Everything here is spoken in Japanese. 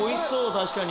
確かに。